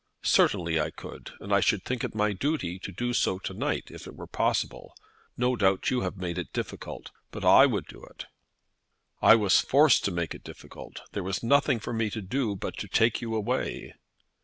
"Certainly I could, and should think it my duty to do so to night, if it were possible. No doubt you have made it difficult, but I would do it." "I was forced to make it difficult. There was nothing for me to do but to take you away."